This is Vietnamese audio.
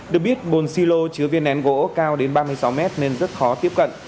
được biết bồn xí lô chứa viên nén gỗ cao đến ba mươi sáu m nên rất khó tiếp cận